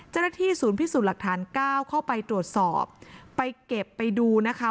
เจ้าหน้าที่ศูนย์พิสูจน์หลักฐานเก้าเข้าไปตรวจสอบไปเก็บไปดูนะคะ